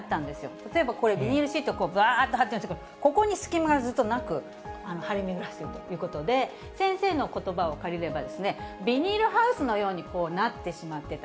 例えばこれ、ビニールシート、ぶわーっと張ってるんですけど、ここに隙間がずっとなく張り巡らせていたということで、先生のことばを借りれば、ビニールハウスのようになってしまっていた。